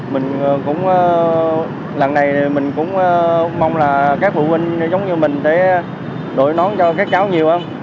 mình cũng lần này mình cũng mong là các phụ huynh giống như mình thì đổi nón cho các cháu